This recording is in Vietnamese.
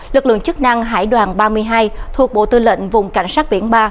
lực lượng chức năng hải đoàn ba mươi hai thuộc bộ tư lệnh vùng cảnh sát biển ba